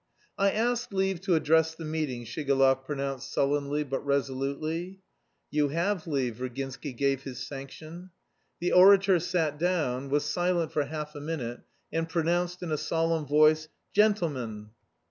"I ask leave to address the meeting," Shigalov pronounced sullenly but resolutely. "You have leave." Virginsky gave his sanction. The orator sat down, was silent for half a minute, and pronounced in a solemn voice, "Gentlemen!"